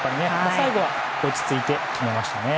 最後は落ち着いて決めましたね。